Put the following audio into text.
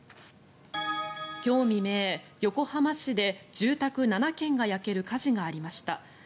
今日未明、横浜市で住宅７軒が焼ける火事がありました。